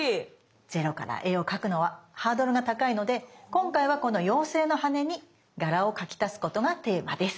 ゼロから絵を描くのはハードルが高いので今回はこの妖精の羽に柄を描き足すことがテーマです。